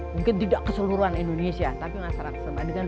mungkin tidak keseluruhan indonesia tapi masyarakat